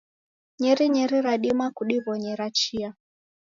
Nyerinyeri radima kudiwonyera chia.